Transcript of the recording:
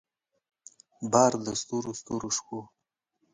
بار د ستورو ستورو شپو